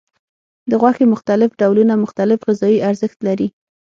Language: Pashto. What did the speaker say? د غوښې مختلف ډولونه مختلف غذایي ارزښت لري.